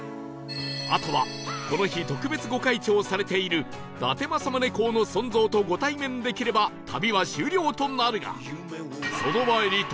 あとはこの日特別御開帳されている伊達政宗公の尊像とご対面できれば旅は終了となるが